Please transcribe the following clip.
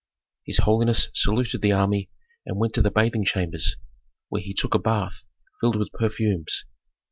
His holiness saluted the army and went to the bathing chambers, where he took a bath filled with perfumes.